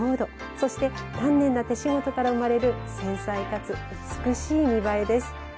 そして丹念な手仕事から生まれる繊細かつ美しい見栄えです。